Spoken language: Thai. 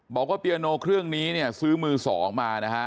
บอกว่าเปียโนเครื่องนี้ซื้อมือ๒มา